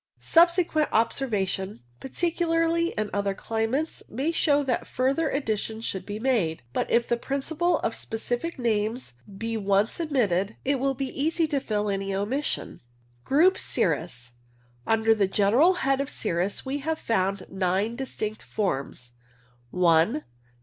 Subse quent observation, particularly in other climates, may show that further additions should be made ; but if the principle of specific names be once admitted, it will be easy to fill any omission. Group Cirrus. Under the general head of cirrus we have found nine distinct forms — I.